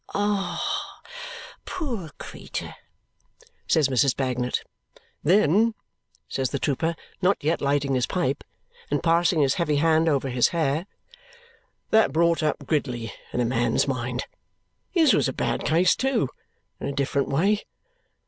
"Ah, poor creetur!" says Mrs. Bagnet. "Then," says the trooper, not yet lighting his pipe, and passing his heavy hand over his hair, "that brought up Gridley in a man's mind. His was a bad case too, in a different way.